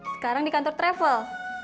sekarang di kantor travel